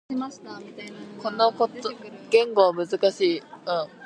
この言語は難しい。